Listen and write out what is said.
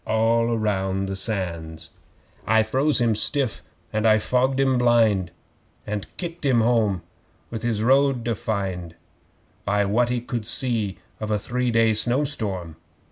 (All round the Sands!) 'I froze him stiff and I fogged him blind, And kicked him home with his road to find By what he could see of a three day snow storm.